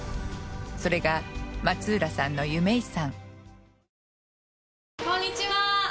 それが松浦さんの夢遺産。